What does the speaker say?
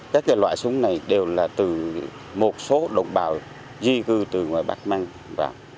các cái loại súng này đều là từ một số đồng bào di cư từ ngoài bắc măng vào